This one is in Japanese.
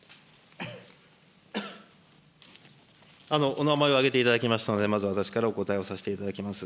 お名前を挙げていただきましたので、まず私からお答えをさせていただきます。